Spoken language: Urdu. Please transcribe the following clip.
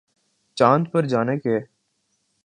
چاند پر جانے کے